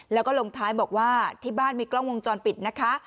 แล้วก็ลงท้ายบอกว่าที่บ้านมีกล้องวงจรปิดนะคะ